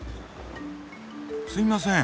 すいません。